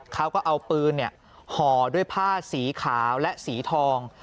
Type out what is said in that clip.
เขาก็เอาปืนห่อด้วยผ้าสีขาวและสีทอง